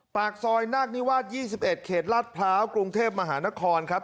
ปากซอยนาคนิวาสยี่สิบเอ็ดเขตรัสพร้าวกรุงเทพมหานครครับ